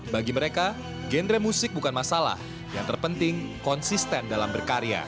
bagi mereka genre musik bukan masalah yang terpenting konsisten dalam berkarya